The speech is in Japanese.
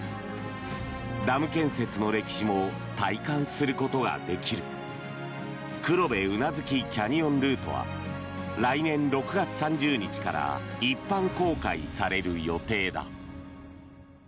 ダム建設の歴史も体感することができる黒部宇奈月キャニオンルートは来年６月３０日から一般公開される予定だ。